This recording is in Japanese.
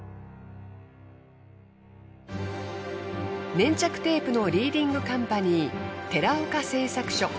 粘着テープのリーディングカンパニー寺岡製作所。